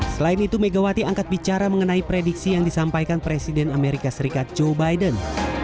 selain itu megawati angkat bicara mengenai prediksi yang disampaikan presiden amerika serikat joe biden